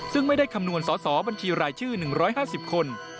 ซึ่งไม่ได้คำนวณสอสอบัญชีรายชื่อ๑๕๐คน